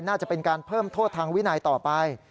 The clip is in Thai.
น่าจะเป็นการเพิ่มโทษทางวินัยต่อไป